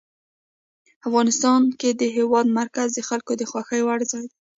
افغانستان کې د هېواد مرکز د خلکو د خوښې وړ ځای دی.